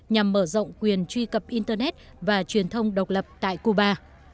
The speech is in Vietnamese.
nhằm mở rộng quyền truy cập internet và truyền thông độc lập tại cuba